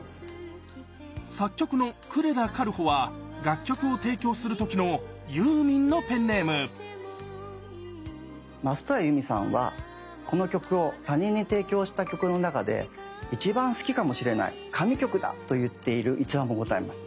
作曲の呉田軽穂は楽曲を提供する時のユーミンのペンネーム松任谷由実さんはこの曲を他人に提供した曲の中で一番好きかもしれない神曲だと言っている逸話もございます。